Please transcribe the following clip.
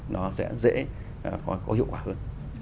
nó sẽ dễ có hiệu quả hơn